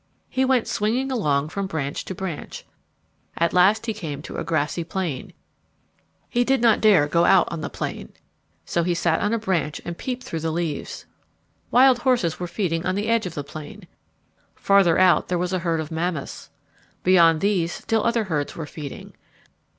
He went swinging along from branch to branch. At last he came to a grassy plain. He did not dare to go out on the plain. [Illustration: A bison] So he sat on a branch and peeped through the leaves. Wild horses were feeding on the edge of the plain. Farther out there was a herd of mammoths. Beyond these still other herds were feeding.